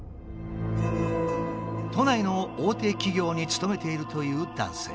都内の大手企業に勤めているという男性。